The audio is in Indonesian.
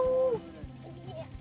eh kenapa deh